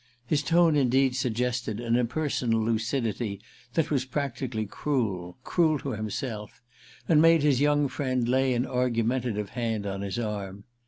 His tone indeed suggested an impersonal lucidity that was practically cruel—cruel to himself—and made his young friend lay an argumentative hand on his arm.